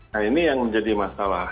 nah ini yang menjadi masalah